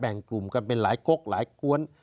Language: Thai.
แบ่งกลุ่มกันเป็นหลายกรกหลายกล้วน